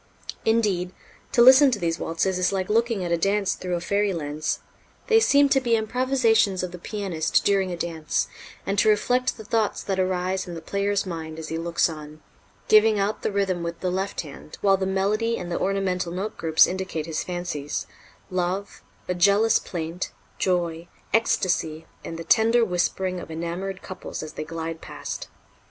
Indeed, to listen to these waltzes is like looking at a dance through a fairy lens. They seem to be improvisations of the pianist during a dance, and to reflect the thoughts that arise in the player's mind as he looks on, giving out the rhythm with the left hand, while the melody and the ornamental note groups indicate his fancies love, a jealous plaint, joy, ecstasy, and the tender whispering of enamored couples as they glide past.